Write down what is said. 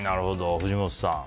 藤本さん。